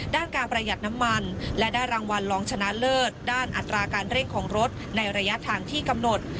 ด้านการประหยัดน้ำมันและได้รางวัลลองชนะเลิศด้านอัตราการเร่งของรถในระยะทางที่กำหนด